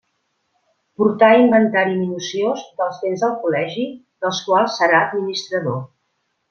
Portar inventari minuciós dels béns del Col·legi, dels quals serà administrador.